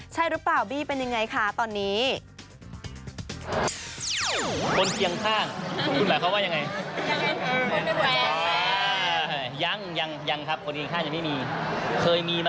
ใช่หรือเปล่าบี้เป็นยังไงคะตอนนี้